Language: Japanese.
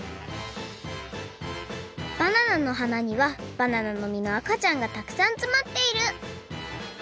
バナナのはなにはバナナのみのあかちゃんがたくさんつまっている！